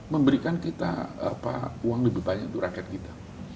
memberikan kita uang lebih banyak untuk rakyat kita